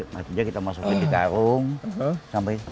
maksudnya kita masukin di karung sampai